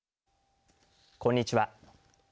こんにちは。